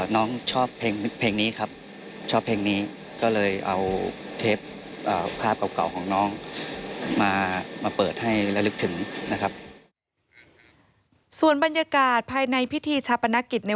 น้องชอบเพลงนี้ครับชอบเพลงนี้ก็เลยเอาเทปภาพเก่าของน้องมาเปิดให้ละลึกถึงนะครับ